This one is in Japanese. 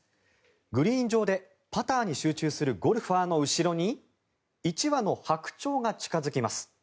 グリーン上でパターに集中するゴルファーの後ろに１羽のハクチョウが近付きます。